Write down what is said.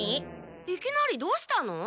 いきなりどうしたの？